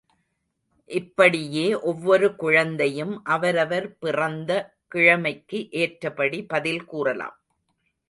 இப்படியே ஒவ்வொரு குழந்தையும் அவரவர் பிறந்த கிழமைக்கு ஏற்றபடி பதில் கூறலாம்.